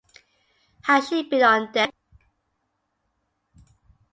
Has she been on deck?